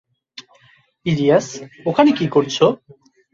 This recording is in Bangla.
ইলিয়াস, ওখানে কি করছো?